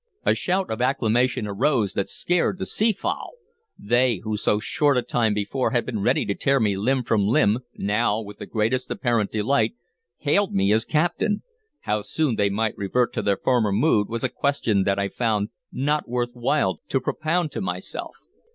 A shout of acclamation arose that scared the sea fowl. They who so short a time before had been ready to tear me limb from limb now with the greatest apparent delight hailed me as captain. How soon they might revert to their former mood was a question that I found not worth while to propound to myself.